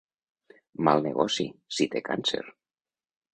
Mal negoci, si té càncer!